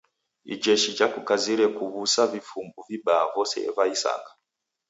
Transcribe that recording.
Ijeshi jakukazire kuw'usa vifumbu vibaa vose va isanga.